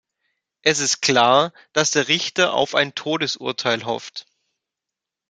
Es ist klar, dass der Richter auf ein Todesurteil hofft.